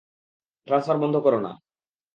Transfer বন্ধ করো না।